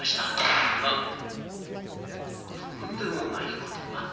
なんととんでもないことが。